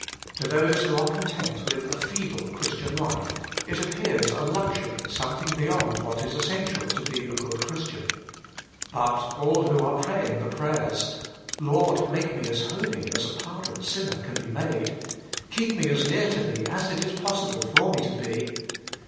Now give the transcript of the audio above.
To those who are content with a feeble Christian life, it appears a luxury something beyond what ifi essential to be a good Christian. But all who are praying the prayers, * Lord ! make me as holy as a pardoned sinner can be made I Keep me as near to Thee as it is possible for me to be